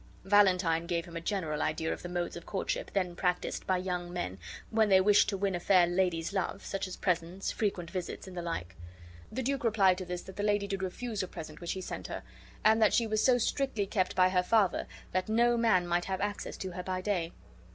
Valentine gave him a general idea of the modes of courtship then practised by young men when they wished to win a fair lady's love, such as presents, frequent visits, and the like. The duke replied to this that the lady did refuse a present which he sent her, and that she was so strictly kept by her father that no man might have access to her by day.